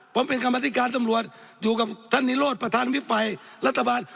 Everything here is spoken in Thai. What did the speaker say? ผมเป็นกรรมธิการตำรวจอยู่กับท่านนิโรธประธานวิบัยรัฐบาล